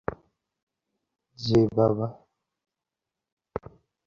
জ্বি, বাবা।